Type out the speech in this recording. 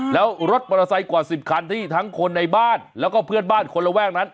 แล้วรถมอเตอร์ไซค์กว่า๑๐คันที่ทั้งคนในบ้านแล้วก็เพื่อนบ้านคนระแวกนั้น